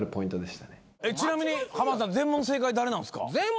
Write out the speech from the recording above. ちなみに浜田さん全問正解誰なんですか？